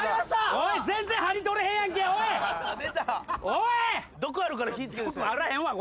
おい！